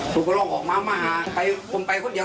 ขอบคุณใครบ้างที่มาช่วย